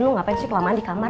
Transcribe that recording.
lu ngapain sih kelamaan di kamar